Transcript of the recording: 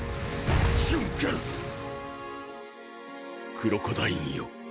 クロコダインよ